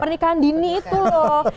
pernikahan dini itu loh